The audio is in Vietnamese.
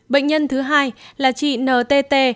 bệnh nhân thứ hai là chị ntt